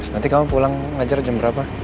nanti kamu pulang ngajar jam berapa